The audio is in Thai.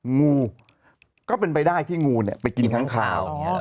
งูก็เป็นไปได้ที่งูไปกินครั้งคราว